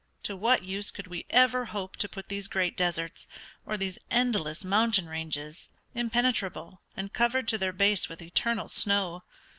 To what use could we ever hope to put these great deserts, or these endless mountain ranges, impenetrable, and covered to their base with eternal snow?